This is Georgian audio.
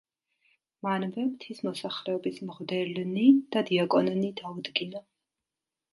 მანვე მთის მოსახლეობის მღვდელნი და დიაკონნი დაუდგინა.